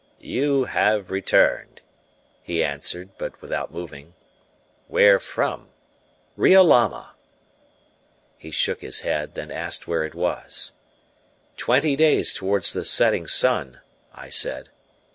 "You have returned," he answered, but without moving. "Where from?" "Riolama." He shook his head, then asked where it was. "Twenty days towards the setting sun," I said.